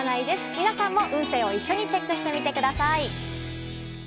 皆さんも運勢を一緒にチェックしてみてください。